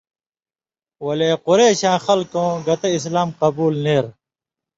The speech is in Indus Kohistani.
ولے قُرېشاں خلقؤں گتہ اسلام قبول نېریۡ۔